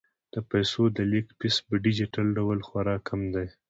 د پيسو د لیږد فیس په ډیجیټل ډول خورا کم دی.